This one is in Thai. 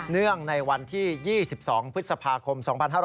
เนื่องในวันที่๒๒พฤษภาคม๒๕๕๙